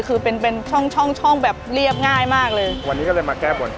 คือเป็นเป็นช่องช่องช่องแบบเรียบง่ายมากเลยวันนี้ก็เลยมาแก้บน